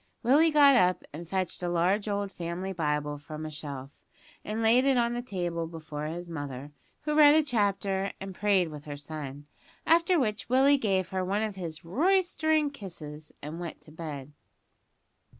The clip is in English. Willie got up and fetched a large old family Bible from a shelf, and laid it on the table before his mother, who read a chapter and prayed with her son; after which Willie gave her one of his "roystering" kisses and went to bed.